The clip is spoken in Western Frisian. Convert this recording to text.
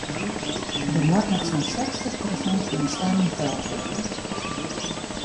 Der moat noch sa'n sechstich prosint fan de stimmen teld wurde.